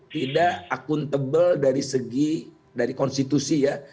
tidak akuntabel dari segi dari konstitusi ya